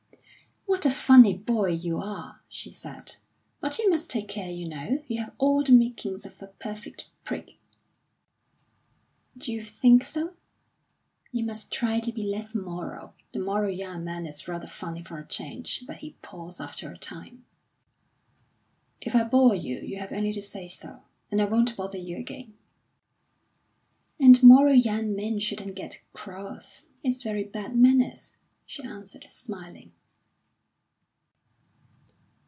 "What a funny boy you are!" she said. "But you must take care, you know; you have all the makings of a perfect prig." "D'you think so?" "You must try to be less moral. The moral young man is rather funny for a change, but he palls after a time." "If I bore you, you have only to say so, and I won't bother you again." "And moral young men shouldn't get cross; it's very bad manners," she answered, smiling.